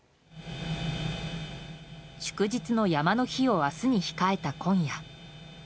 祝日の山の日を明日に控えた今夜。